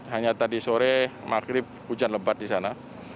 hanya tadi sore maghrib hujan lebat di sana